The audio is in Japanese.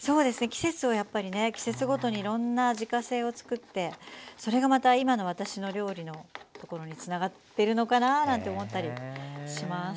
季節をやっぱりね季節ごとにいろんな自家製を作ってそれがまた今の私の料理のところにつながってるのかななんて思ったりします。